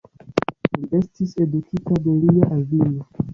Li estis edukita de lia avino.